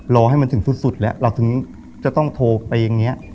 รอให้มันถึงสุดแล้วเราถึงจะต้องโทรไปอย่างนี้